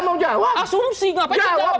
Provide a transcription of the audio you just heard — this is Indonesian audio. anda nggak mau jawab